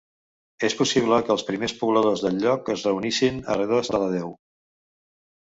És possible que els primers pobladors del lloc es reunissin a redós de la deu.